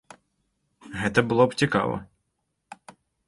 Гэта было б цікава.